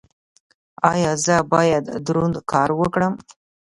ایا زه باید دروند کار وکړم؟